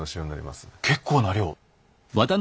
結構な量。